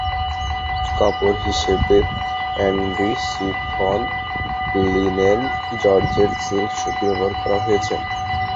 কাপড় হিসেবে endi, chiffon, linen, georgette, silk, সুতি ব্যবহার করা হয়েছে।